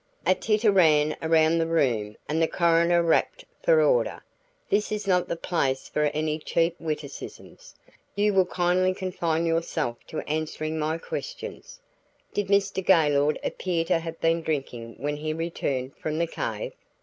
A titter ran around the room and the coroner rapped for order. "This is not the place for any cheap witticisms; you will kindly confine yourself to answering my questions. Did Mr. Gaylord appear to have been drinking when he returned from the cave?"